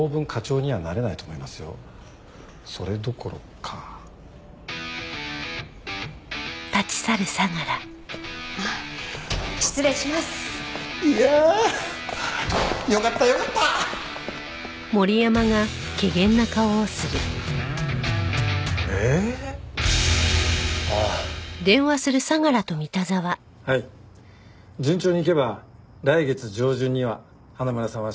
順調にいけば来月上旬には花村さんは職場復帰できます。